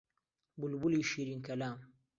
بولبولی شیرین کەلام